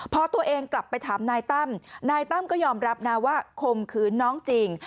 พอตัวเองกลับไปถามนายตั้มนายตั้มก็ยอมรับนะว่าคมขืนน้องจริง